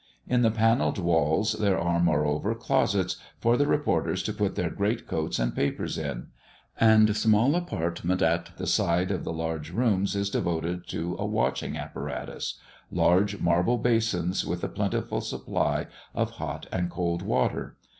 In the panelled walls there are, moreover, closets, for the reporters to put their great coats and papers in; and a small apartment at the side of the large rooms is devoted to a washing apparatus large marble basins, with a plentiful supply of hot and cold water.